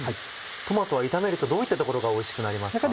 トマトは炒めるとどういったところがおいしくなりますか？